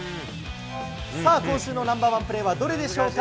さあ、今週のナンバーワンプレーはどれでしょうか？